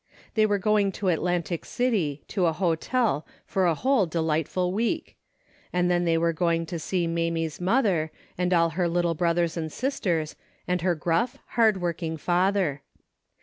They were going to Atlantic City to a hotel for a whole delightful week, and then they were going to see Mamie's mother, and all her little brothers and sisters, and her gruff, hard working father.